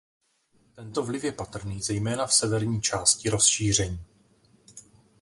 Tento vliv je patrný zejména v severní části rozšíření.